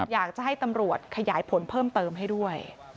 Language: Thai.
อยากจะให้ตำรวจขยายผลเพิ่มเติมให้ด้วย